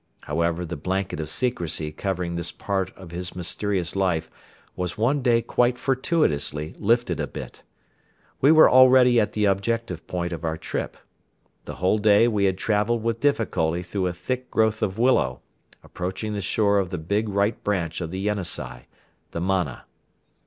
However, the blanket of secrecy covering this part of his mysterious life was one day quite fortuitously lifted a bit. We were already at the objective point of our trip. The whole day we had traveled with difficulty through a thick growth of willow, approaching the shore of the big right branch of the Yenisei, the Mana.